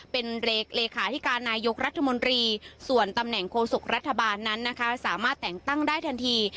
เป็นเลขาธิการนายกรัฐมนตรีส่วนตำแหน่งโฆษกรัฐบาลนั้นนะคะสามารถแต่งตั้งได้ทันที